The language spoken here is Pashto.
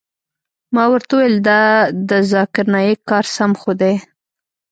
ما ورته وويل د ذاکر نايک کار سم خو دى.